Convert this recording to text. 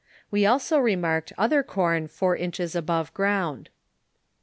We also remarked other corn four inches above ground.